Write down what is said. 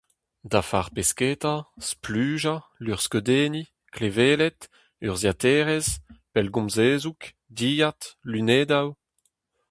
Dafar pesketa, splujañ, luc'hskeudenniñ, kleweled, urzhiataerezh, pellgomz hezoug, dilhad, lunedoù…